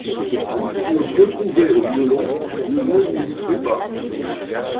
Si on se retrouvait au violon, le môme nous louperait pas.